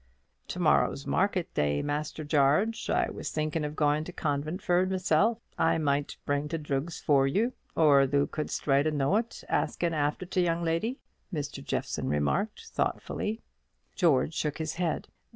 "To morrow's market day, Master Jarge. I was thinkin' of goin' t' Conventford mysen. I might bring t' droogs for thee, and thoo couldst write a noate askin' after t' young leddy," Mr. Jeffson remarked, thoughtfully. George shook his head.